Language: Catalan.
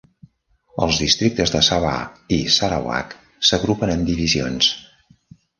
Als districtes de Sabah i Sarawak s'agrupen en "divisions".